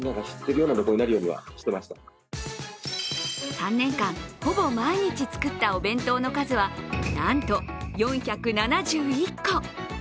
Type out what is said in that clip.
３年間ほぼ毎日作ったお弁当の数は、なんと４７１個！